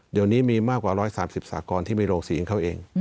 เดี๋ยวนี้มีมากกว่า๑๓๐สากรที่มีโรงสีของเขาเอง